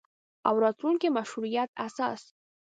او راتلونکي مشروعیت اساس